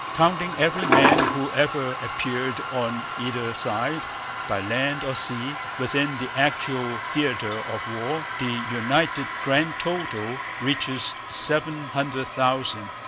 Counting every man who ever appeared on either side, by land or sea, within the actual theatre of war, the united grand total reaches seven hundred thousand.